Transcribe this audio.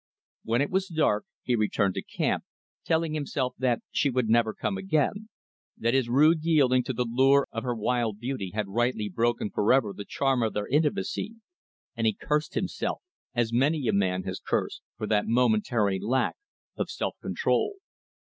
When it was dark, he returned to camp; telling himself that she would never come again; that his rude yielding to the lure of her wild beauty had rightly broken forever the charm of their intimacy and he cursed himself as many a man has cursed for that momentary lack of self control.